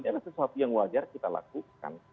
adalah sesuatu yang wajar kita lakukan